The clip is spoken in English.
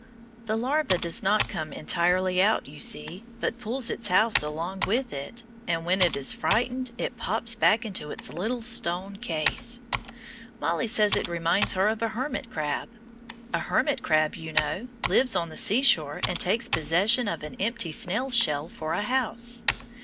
The larva does not come entirely out, you see, but pulls its house along with it, and when it is frightened it pops back into its little stone case. Mollie says it reminds her of a hermit crab. A hermit crab, you know, lives on the seashore and takes possession of an empty snail shell for a house.